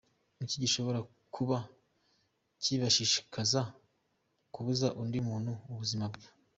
Ni iki gishobora kuba kibashishikaza kubuza undi muntu ubuzima bwe?